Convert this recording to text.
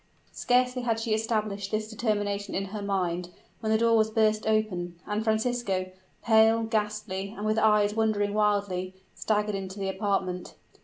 Scarcely had she established this determination in her mind, when the door was burst open, and Francisco pale, ghastly, and with eyes wandering wildly staggered into the apartment.